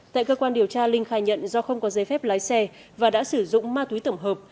tại cơ quan điều tra linh khai nhận do không có giấy phép lái xe và đã sử dụng ma túy tổng hợp